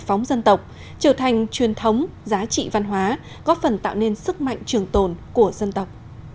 phóng dân tộc trở thành truyền thống giá trị văn hóa góp phần tạo nên sức mạnh trường tồn của dân tộc